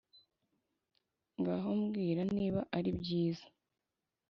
ngaho mbwira niba ari byiza